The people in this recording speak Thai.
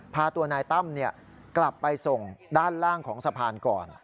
พาตัวนายตั้มกลับไปส่งด้านล่างของสะพานก่อน